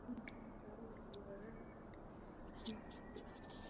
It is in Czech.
Nachází se v jihozápadním rohu náměstí.